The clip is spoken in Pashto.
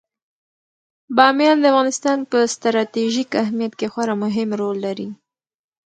بامیان د افغانستان په ستراتیژیک اهمیت کې خورا مهم رول لري.